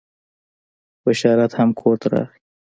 بشارت هم کور ته راغی.